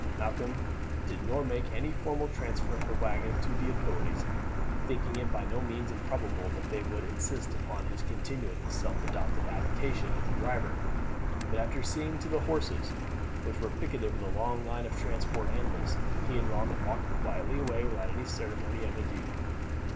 Malcolm did nor make any formal transfer of the waggon to the authorities, thinking it by no means improbable that they would insist upon his continuing his self adopted avocation as driver; but after seeing to the horses, which were picketed with a long line of transport animals, he and Ronald walked quietly away without any ceremony of adieu.